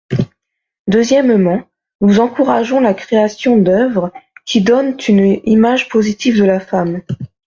Deuxièmement, nous encourageons la création d’œuvres qui donnent une image positive de la femme.